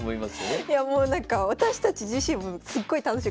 いやもうなんか私たち自身もすっごい楽しい。